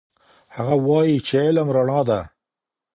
هغه وایي چې علم رڼا ده.